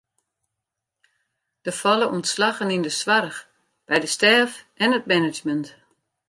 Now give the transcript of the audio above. Der falle ûntslaggen yn de soarch, by de stêf en it management.